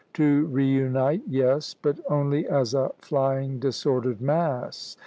To reunite, yes; but only as a flying, disordered mass.